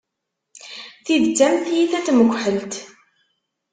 Tidet am tyita n tmekḥelt.